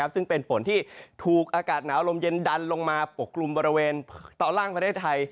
ซึ่งเป็นฝนที่ถูกอากาศหนาวลมเย็นดันลงมาปกกลุ่มบริเวณตอนล่างประเทศไทย